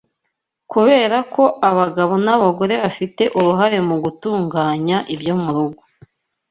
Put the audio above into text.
Kubera ko abagabo n’abagore bafite uruhare mu gutunganya ibyo mu rugo